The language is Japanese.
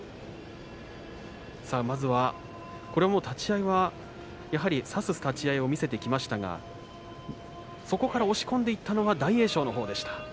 立ち合いは差す立ち合いを見せてきましたがそこから押し込んでいったのは大栄翔のほうでした。